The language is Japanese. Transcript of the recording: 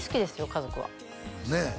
家族はねえ